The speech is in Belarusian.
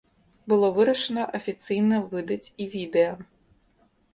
Было вырашана афіцыйна выдаць і відэа.